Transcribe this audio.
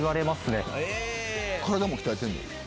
体も鍛えてんの？